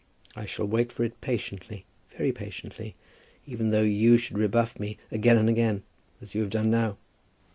I shall wait for it patiently, very patiently, even though you should rebuff me again and again, as you have done now."